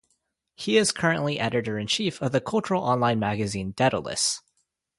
He is currently editor-in-chief of the cultural online magazine "Dedalus".